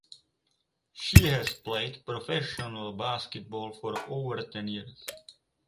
She has played professional basketball for over ten years.